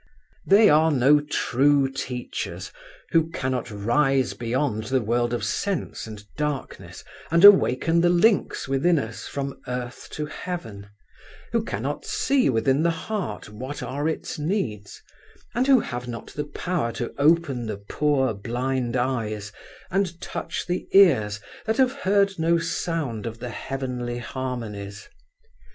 They are no true teachers who cannot rise beyond the world of sense and darkness and awaken the links within us from earth to heaven, who cannot see within the heart what are its needs, and who have not the power to open the poor blind eyes and touch the ears that have heard no sound of the heavenly harmonies.